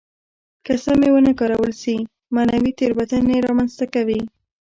که سمې ونه کارول شي معنوي تېروتنې را منځته کوي.